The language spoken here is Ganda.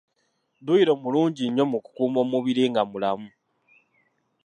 Dduyiro mulungi nnyo mu kukuuma omubiri nga mulamu.